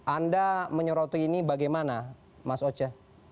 anda menyoroti ini bagaimana mas oce